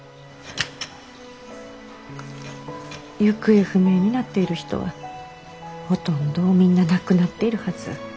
行方不明になっている人はほとんどみんな亡くなっているはず。